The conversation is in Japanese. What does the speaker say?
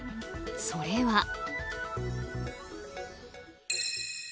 それは。